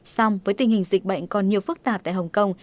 song với tình hình dịch bệnh còn nhiều phức tạp tại hồng kông